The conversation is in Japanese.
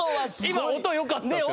今音よかったですよね。